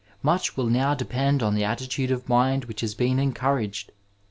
Muoh will now depend on the attitude of mind which ha»been enootomged.